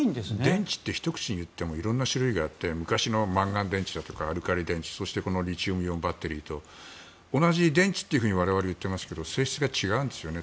電池ってひと口に言っても色んな種類があって昔のマンガン電池だとかアルカリ電池そしてこのリチウムイオンバッテリーと同じ電池と我々言ってますが性質が違うんですね。